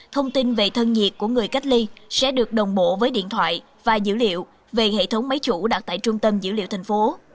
thông tin về thân nhiệt của người cách ly sẽ được đồng bộ với điện thoại và dữ liệu về hệ thống máy chủ đặt tại trung tâm dữ liệu thành phố